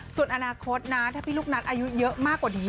ส่วนอนาคตนะถ้าพี่ลูกนัทอายุเยอะมากกว่านี้